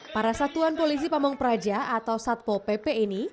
para satuan polisi pamung praja atau satpo pp ini